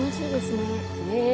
ねえ。